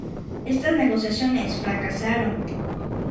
Estas negociaciones fracasaron.